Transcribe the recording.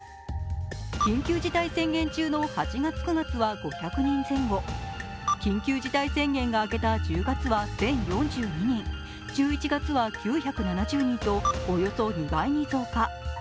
急性アルコール中毒による救急搬送者数は緊急事態宣言中の８月、９月は５００人前後、緊急事態宣言が明けた１０月は１０４２人、１１月は９７０人とおよそ２倍に増加。